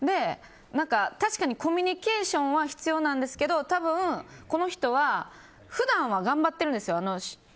確かにコミュニケーションは必要なんですけど多分、この人は普段は頑張ってるんですよ。